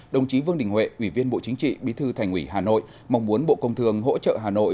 đồng chí vương đình huệ ủy viên bộ chính trị bí thư thành ủy hà nội mong muốn bộ công thương hỗ trợ hà nội